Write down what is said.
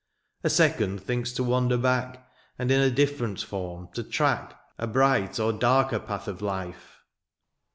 " A second thinks to wander back, " And in a different form to track " A bright or darker path of life.